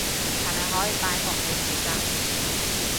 係咪可以拜託你負責？